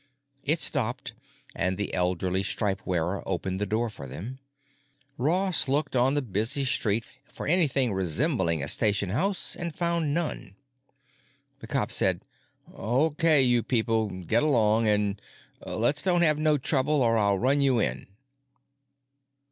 It stopped and the elderly stripe wearer opened the door for them. Ross looked on the busy street for anything resembling a station house and found none. The cop said, "Okay, you people. Get going. An' let's don't have no trouble or I'll run you in."